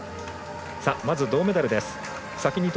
まず銅メダルです。